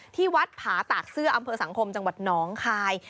ที่วัดผาตากเสื้ออำเภอสังคมจังหวัดหนองคาย